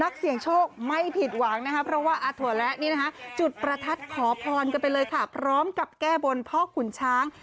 ขอพรกันไปเลยค่ะพร้อมกับแก้บนพ่อขุนช้าง